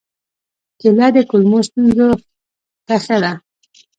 کېله د کولمو ستونزو ته ښه ده.